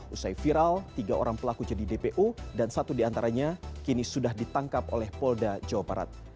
usai viral tiga orang pelaku jadi dpo dan satu diantaranya kini sudah ditangkap oleh polda jawa barat